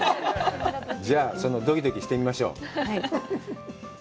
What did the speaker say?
じゃあ、そのどきどきしてみましょう。